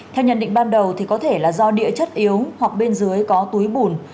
theo nhận định ban đầu có thể là do địa chất yếu hoặc bên dưới có túi bùn